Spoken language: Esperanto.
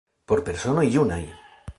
Por personoj junaj!